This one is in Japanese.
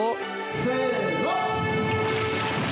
せの！